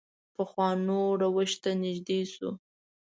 پخوانو روش ته نږدې شو.